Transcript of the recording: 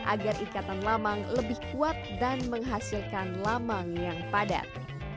agar ikatan lamang lebih kuat dan menghasilkan lamang yang padat